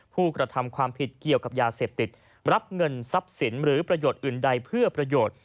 ผู้กระทำความผิดเกี่ยวกับยาเสพติดรับเงินทรัพย์สินหรือประโยชน์อื่นใดเพื่อประโยชน์